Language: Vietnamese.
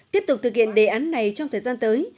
tiếp tục thực hiện đề án này trong thời gian tới